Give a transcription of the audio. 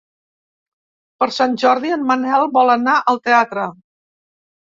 Per Sant Jordi en Manel vol anar al teatre.